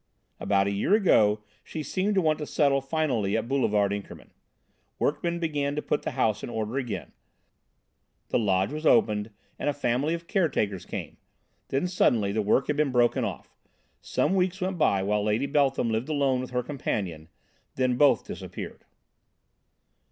About a year ago she seemed to want to settle finally at Boulevard Inkermann. Workmen began to put the house in order again, the lodge was opened and a family of caretakers came; then suddenly the work had been broken off; some weeks went by while Lady Beltham lived alone with her companion; then both disappeared.